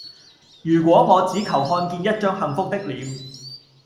如果我只求看見一張幸福的臉